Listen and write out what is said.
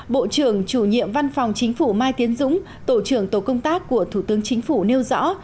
bộ trưởng chủ nhiệm văn phòng chính phủ mai tiến dũng tổ trưởng tổ công tác của thủ tướng chính phủ nêu rõ